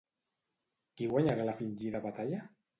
Qui guanyarà la fingida batalla?